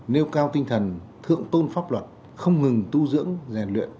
nêu cao tinh thần thượng tôn pháp luật không ngừng tu dưỡng rèn luyện